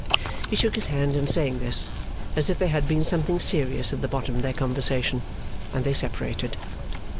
He shook his hand in saying this, as if there had been something serious at the bottom of their conversation; and they separated.